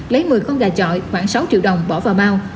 lấy một mươi con gà chọi khoảng sáu triệu đồng bỏ vào bao